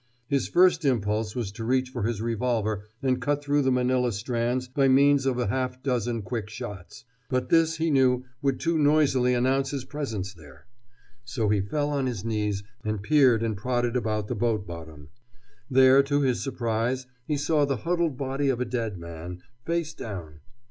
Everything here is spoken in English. His first impulse was to reach for his revolver and cut through the manilla strands by means of a half dozen quick shots. But this, he knew, would too noisily announce his presence there. So he fell on his knees and peered and prodded about the boat bottom. There, to his surprise, he saw the huddled body of a dead man, face down.